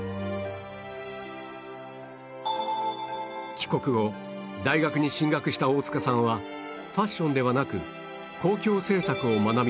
帰国後大学に進学した大塚さんはファッションではなく公共政策を学び始めた